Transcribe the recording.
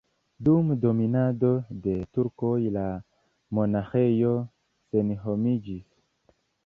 Dum dominado de turkoj la monaĥejo senhomiĝis.